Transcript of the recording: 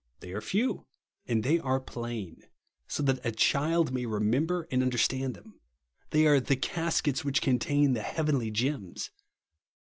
They are few and they are plain ; so that a child may remember and miderstand them. They are the cas kets which contain the heavenly gems.